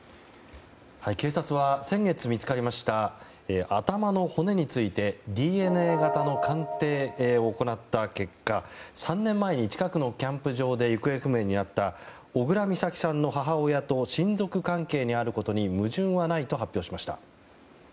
警察は先月見つかりました頭の骨についてＤＮＡ型の鑑定を行った結果３年前に近くのキャンプ場で行方不明になった小倉美咲さんの母親と親族関係にあることに矛盾はないと発表しました。